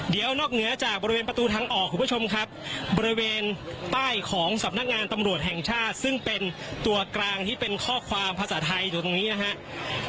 เดี๋ยวนอกเหนือจากบริเวณประตูทางออกคุณผู้ชมครับบริเวณใต้ของสำนักงานตำรวจแห่งชาติซึ่งเป็นตัวกลางที่เป็นข้อความภาษาไทยอยู่ตรงนี้นะครับ